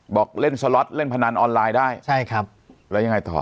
บอกเล่นสล็อตเล่นพนันออนไลน์ได้ใช่ครับแล้วยังไงต่อ